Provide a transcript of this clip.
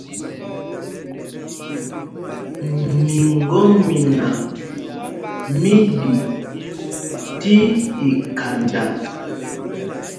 Miŋgɔ́mina mí ɗi tí ikhanda.